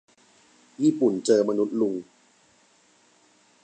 ญี่ปุ่นเจอมนุษย์ลุง